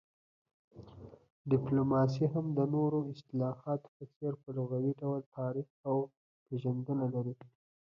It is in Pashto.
ډيپلوماسي هم د نورو اصطلاحاتو په څير په لغوي ډول تعريف او پيژندنه لري